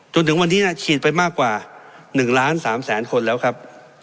จนถึงวันนี้ฉีดไปมากกว่า๑ล้าน๓แสนคนแล้วครับ